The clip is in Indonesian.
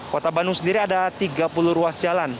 kota bandung sendiri ada tiga puluh ruas jalan